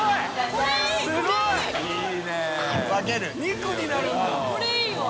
これいいわ。